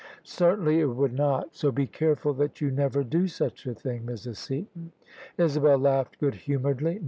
"" Certainly it would not. So be careful that you never do such a thing, Mrs. Seaton." Isabel laughed good humouredly.